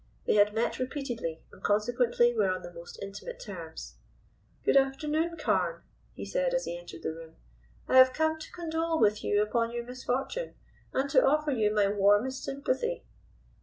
They had met repeatedly, and consequently were on the most intimate terms. "Good afternoon, Carne," he said as he entered the room. "I have come to condole with you upon your misfortune, and to offer you my warmest sympathy."